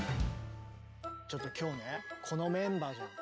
ちょっと今日ねこのメンバーじゃん。